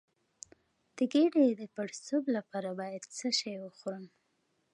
د ګیډې د پړسوب لپاره باید څه شی وخورم؟